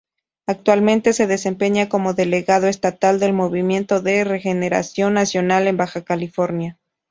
Actualmente se desempeña como delegado estatal del Movimiento de Regeneración Nacional en Baja California.